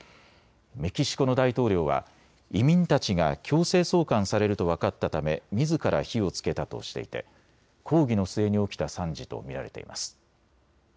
メキシコの大統領は移民たちが強制送還されると分かったためみずから火をつけたとしていて抗議の末に起きた惨事と見られています。